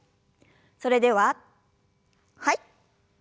それでははい。